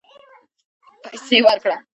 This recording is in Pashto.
پیسې ورکړه